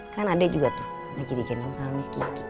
kan ada juga tuh lagi digendong sama miss kiki